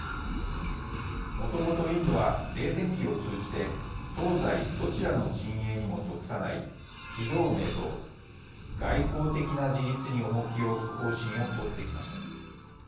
もともと、インドは冷戦期を通じて東西どちらの陣営にも属さない非同盟と外交的な自立に重きを置く方針を取ってきました。